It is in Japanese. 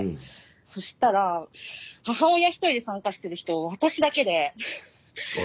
そしたら母親１人で参加してる人私だけで。